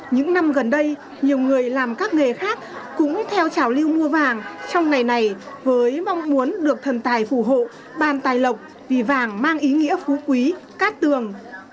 những năm gần đây nhiều người làm các nghề khác cũng theo trảo lưu mua vàng trong ngày này với mong muốn được thần tài phụ hộ ban tài lộng vì vàng mang ý nghĩa phú quý cát tường